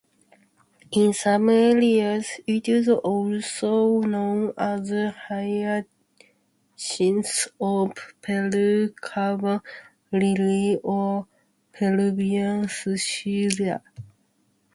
In some areas it is also known as hyacinth-of-Peru, Cuban-lily, or Peruvian scilla.